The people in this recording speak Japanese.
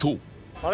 あれ？